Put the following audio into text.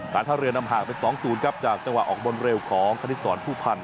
การท่าเรือนำหากเป็นสองศูนย์ครับจากจังหวะออกบนเร็วของคณิตศรผู้พันธ์